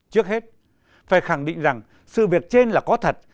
trước hết phải khẳng định rằng sự việc trên là có thật